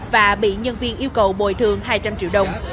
và bị nhân viên yêu cầu bồi thường hai trăm linh triệu đồng